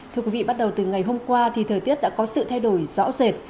thưa quý vị bắt đầu từ ngày hôm qua thì thời tiết đã có sự thay đổi rõ rệt